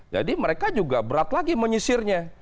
jadi mereka juga berat lagi menyisirnya